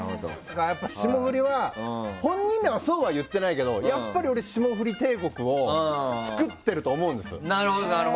霜降りは、本人らはそうは言ってないけど霜降り帝国を作ってると思うんですよ。